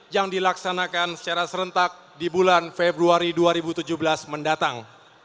yang dilaksanakan secara serentak di bulan februari dua ribu tujuh belas mendatang